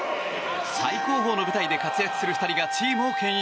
最高峰の舞台で活躍する２人がチームをけん引。